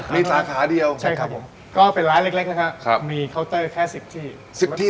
รอคิว๑๐นาที